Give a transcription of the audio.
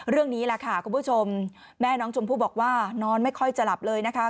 เรื่องนี้แหละค่ะคุณผู้ชมแม่น้องชมพู่บอกว่านอนไม่ค่อยจะหลับเลยนะคะ